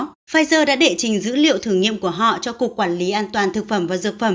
đó pfizer đã đệ trình dữ liệu thử nghiệm của họ cho cục quản lý an toàn thực phẩm và dược phẩm